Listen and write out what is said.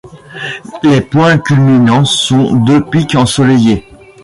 Les points culminants sont deux pics ensoleillés.